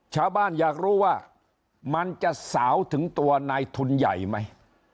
อยากรู้ว่ามันจะสาวถึงตัวนายทุนใหญ่ไหม